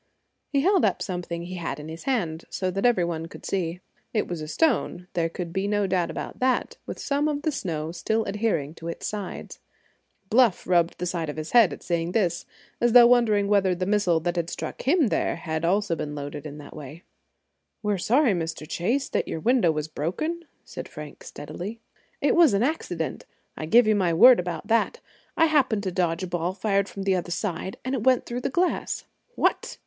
He held up something he had in his hand, so that every one could see. It was a stone, there could be no doubt about that, with some of the snow still adhering to its sides. Bluff rubbed the side of his head at seeing this, as though wondering whether the missile that had struck him there had also been loaded in that way. "We're sorry, Mr. Chase, that your window was broken," said Frank steadily; "it was an accident, I give you my word about that. I happened to dodge a ball fired from the other side, and it went through the glass." "What!